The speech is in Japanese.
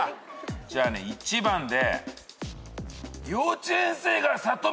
じゃあね１番で。